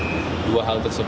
jadi kita harus memperhatikan